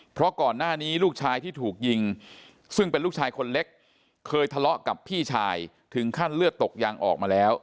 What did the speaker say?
เพราะก่อนหน้านี้ลูกชายที่ถูกยิงซึ่งเป็นลูกชายคนเล็กเคยทะเลาะกับพี่ชายถึงขั้นเลือดตกยางออกมาแล้ว